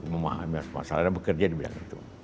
memahami masalah dan bekerja di bidang itu